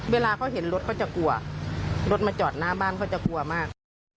เวลาเขาเห็นรถเขาจะกลัวรถมาจอดหน้าบ้านเขาจะกลัวมาก